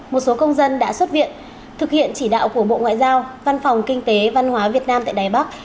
một số công dân đã xuất viện thực hiện chỉ đạo của bộ ngoại giao văn phòng kinh tế văn hóa việt nam tại đài bắc